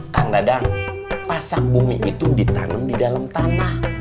kang dadang pasak bumi itu ditanam di dalam tanah